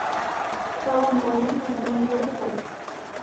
Шылын толмем нерген йодычыс.